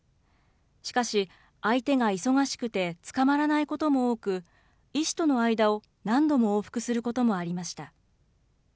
しかし、相手が忙しくてつかまらないことも多く、医師との間を何度も往復することもありました。